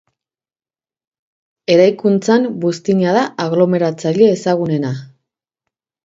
Eraikuntzan buztina da aglomeratzaile ezagunena.